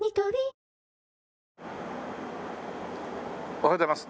おはようございます。